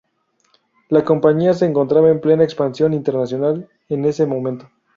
La compañía se encontraba en plena expansión internacional en ese momento.